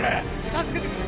助けてくれ！